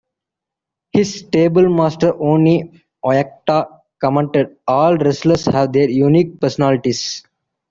His stablemaster Onoe Oyakata commented, All wrestlers have their unique personalities.